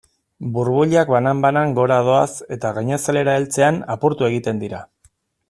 Burbuilak banan-banan gora doaz eta gainazalera heltzean apurtu egiten dira.